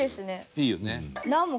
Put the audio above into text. いいよね。